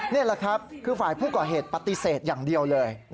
นี่แหละครับคือฝ่ายผู้ก่อเหตุปฏิเสธอย่างเดียวเลย